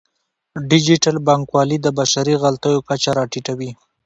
ډیجیټل بانکوالي د بشري غلطیو کچه راټیټوي.